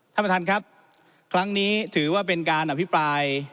ท่านประธานครับครั้งนี้ถือว่าเป็นการอภิปราย